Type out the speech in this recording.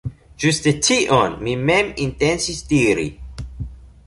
Ĝuste tion mi mem intencis diri.